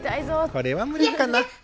これは無理かな？